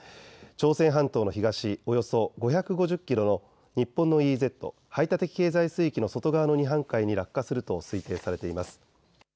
朝鮮半島の東およそ５５０キロの日本のＥＥＺ・排他的経済水域の外側の日本海に落下すると推定されています。